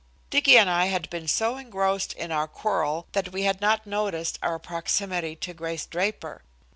Dicky and I had been so engrossed in our quarrel that we had not noticed our proximity to Grace Draper.